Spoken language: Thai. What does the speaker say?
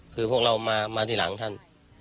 คือพวกเรามาที่หลังท่าน